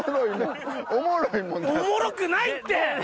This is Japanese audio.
おもろくないって。